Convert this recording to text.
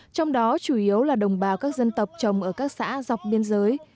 trong đó chủ yếu là đồng bào các dân tộc trồng ở các xã dọc biên giới